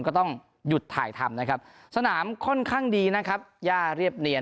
ก็ต้องหยุดถ่ายทำนะครับสนามค่อนข้างดีนะครับย่าเรียบเนียน